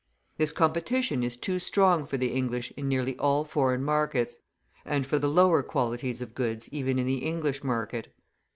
This competition is too strong for the English in nearly all foreign markets, and for the lower qualities of goods even in the English market.